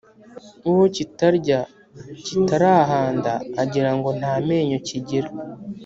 Uwo kitararya (kitarahanda) agira ngo nta menyo kigira.